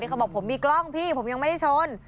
เขาบอกผมมีกล้องพี่ผมยังไม่ได้ชน